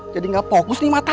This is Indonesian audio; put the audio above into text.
jadi gak fokus nih mata